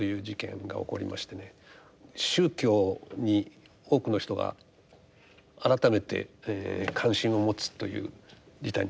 宗教に多くの人が改めて関心を持つという事態になりました。